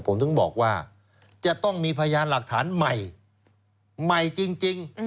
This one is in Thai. ผมถึงบอกว่าจะต้องมีพยานหลักฐานใหม่ใหม่จริง